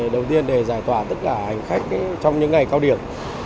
đầu tiên để giải tỏa tất cả hành khách trong những ngày cao điểm